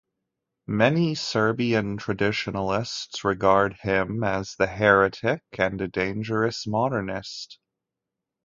Many Serbian traditionalists regard him as the heretic and a dangerous modernist.